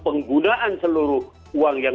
penggunaan seluruh uang yang